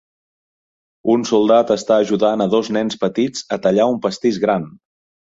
Un soldat està ajudant a dos nens petits a tallar un pastís gran